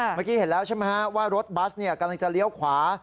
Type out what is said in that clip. เมื่อกี้เห็นแล้วใช่ไหมฮะว่ารถบัสกำลังจะเลี้ยวขวา